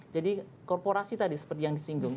jadi korporasi tadi seperti yang disinggung